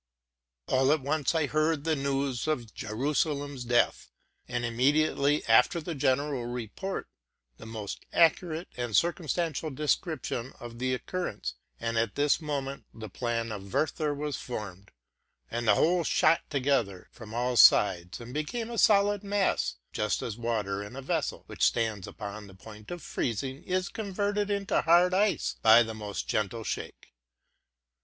All at once I heard the news of Jerusalem's death, and, immediately after the general report, the most accurate and circumstantial description of the occurrence; and at this moment the plan of '' Werther '' was formed, and the whole shot together from all sides, and became a solid mass, just as water in a vessel, which stands upon the point of freezing, is converted into hard ice by the most gentle shake.